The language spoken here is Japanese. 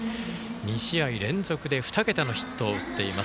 ２試合連続で２桁のヒットを打っています。